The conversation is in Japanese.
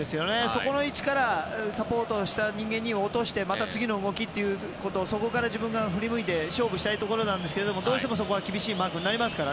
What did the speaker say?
そこの位置からサポートした人間に落としてまた次の動きというところそこから自分が振り向いて勝負したいところですがどうしても、そこは厳しいマークになるので。